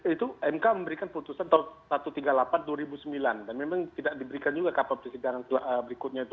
itu mk memberikan putusan tahun satu ratus tiga puluh delapan dua ribu sembilan dan memang tidak diberikan juga kapan persidangan berikutnya itu